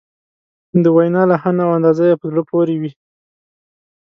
د وینا لحن او انداز یې په زړه پورې وي.